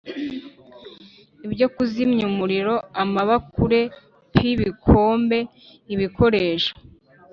Ibyo Kuzimya Umuriro Amabakure P Ibikombe Ibikoresho